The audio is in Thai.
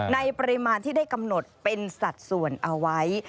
ในปริมาณที่ได้กำหนดเป็นสัดส่วนเอาไว้